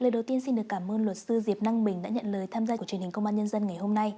lời đầu tiên xin được cảm ơn luật sư diệp năng mình đã nhận lời tham gia của truyền hình công an nhân dân ngày hôm nay